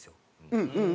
うんうん。